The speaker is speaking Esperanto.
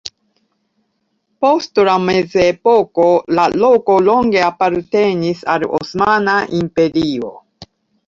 Post la mezepoko la loko longe apartenis al Osmana Imperio.